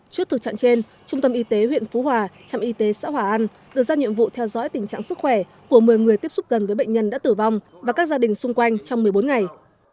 trước thực trạng trên trung tâm y tế huyện phú hòa trạm y tế xã hòa an được ra nhiệm vụ theo dõi tình trạng sức khỏe của một mươi người tiếp xúc gần với bệnh nhân đã tử vong và các gia đình xung quanh trong một mươi bốn ngày